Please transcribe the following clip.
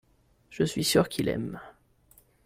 je suis sûr qu'il aime.